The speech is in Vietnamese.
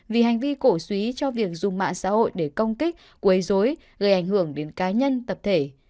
vì hành vi cổ suý cho việc dùng mạng xã hội để công kích quấy dối gây ảnh hưởng đến cá nhân tập thể